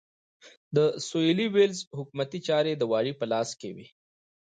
د سوېلي ویلز حکومتي چارې د والي په لاس کې وې.